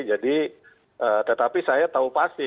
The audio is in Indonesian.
jadi tetapi saya tahu pasti